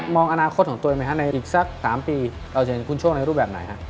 อนาคตของตัวเองไหมฮะในอีกสัก๓ปีเราจะเห็นคุณโชคในรูปแบบไหนฮะ